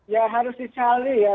ya harus dicari ya